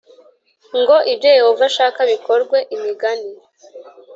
ngo ibyo Yehova ashaka bikorwe Imigani